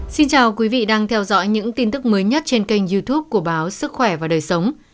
xin chào quý vị đang theo dõi những tin tức mới nhất trên kênh youtube của báo sức khỏe và đời sống